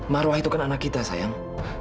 marwah itu kan anak kita sayang